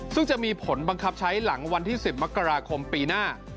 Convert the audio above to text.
ซึ่งจะมีผลบังคับใช้หลังวันที่๑๐มกราคมปีหน้า